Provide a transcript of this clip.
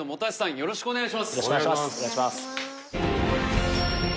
よろしくお願いします